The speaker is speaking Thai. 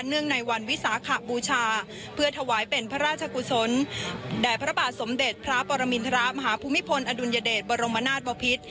งในวันวิสาขบูชาเพื่อถวายเป็นพระราชกุศลแด่พระบาทสมเด็จพระปรมินทรมาฮภูมิพลอดุลยเดชบรมนาศบพิษ